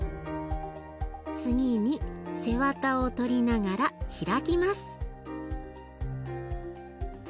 次に背わたを取りながら開きます。